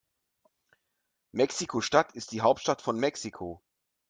Mexiko-Stadt ist die Hauptstadt von Mexiko.